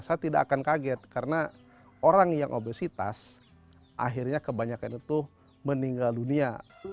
saya tidak akan kaget karena orang yang obesitas akhirnya kebanyakan itu meninggal dunia